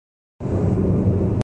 اگر وہاں اتنا بڑا زلزلہ آ سکتا ہے۔